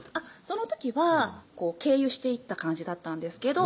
その時は経由していった感じだったんですけど